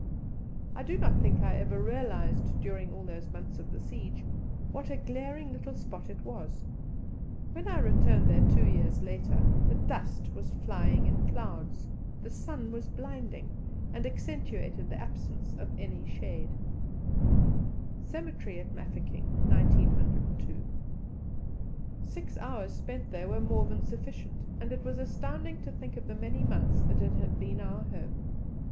I do not think I ever realized, during all those months of the siege, what a glaring little spot it was. When I returned there two years later: the dust was flying in clouds, the sun was blinding, and accentuated the absence of any shade. Six hours spent there were more than sufficient, and it was astounding to think of the many months that it had been our home.